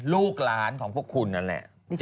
ลูกหลานของพวกคุณนั่นแหละ